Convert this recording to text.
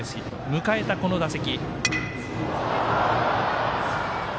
迎えた、この打席。